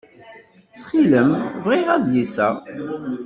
Ttxil-m bɣiɣ adlis-a.